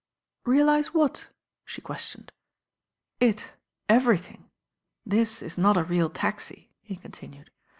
"Realise what?" she qjestioned. "It, everything. This is not a real taxi," he con tinued.